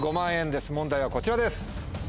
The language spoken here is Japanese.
問題はこちらです！